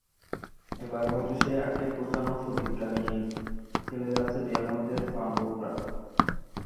এবার হয়তো সেই আক্ষেপ ঘোচানোর প্রতিজ্ঞা নিয়েই খেলে যাচ্ছেন রিয়াল মাদ্রিদের প্রাণভোমরা।